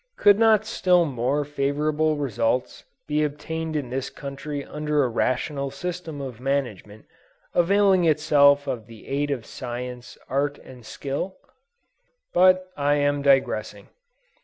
Could not still more favorable results be obtained in this country under a rational system of management, availing itself of the aid of science, art and skill? But, I am digressing.